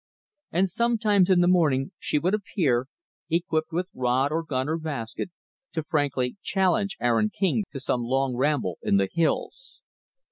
And sometimes, in the morning, she would appear equipped with rod or gun or basket to frankly challenge Aaron King to some long ramble in the hills.